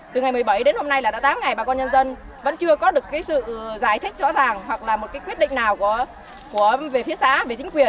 từ ngày một mươi bảy đến hôm nay là đã tám ngày bà con nhân dân vẫn chưa có được cái sự giải thích rõ ràng hoặc là một cái quyết định nào về phía xã về chính quyền